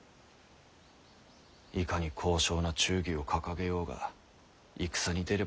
いかに高尚な忠義を掲げようが戦に出れば腹は減る。